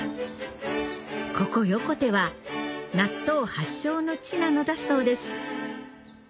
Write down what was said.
ここ横手は納豆発祥の地なのだそうです